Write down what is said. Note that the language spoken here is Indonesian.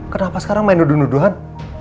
kenapa sekarang main duduhan duduhan